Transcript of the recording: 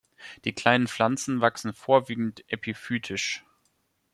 Die kleinen Pflanzen wachsen vorwiegend epiphytisch.